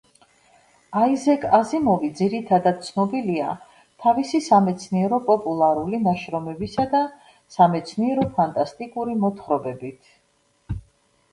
აიზეკ აზიმოვი ძირითადად ცნობილია თავისი სამეცნიერო პოპულარული ნაშრომებისა და სამეცნიერო ფანტასტიკური მოთხრობებით.